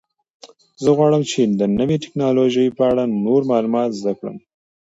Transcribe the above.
زه غواړم چې د نوې تکنالوژۍ په اړه نور معلومات زده کړم.